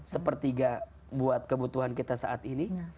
sepertiga buat kebutuhan kita saat ini